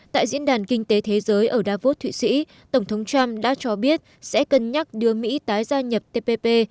tại diễn đàn kinh tế thế giới ở davos thụy sĩ tổng thống trump đã cho biết sẽ cân nhắc đưa mỹ tái gia nhập tpp